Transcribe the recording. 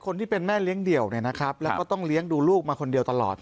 ที่เป็นแม่เลี้ยงเดี่ยวเนี่ยนะครับแล้วก็ต้องเลี้ยงดูลูกมาคนเดียวตลอด